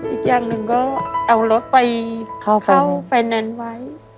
อีกอย่างหนึ่งก็เอารถไปเข้าไฟแนนซ์ไว้